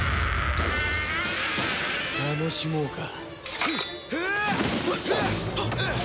楽しもうか。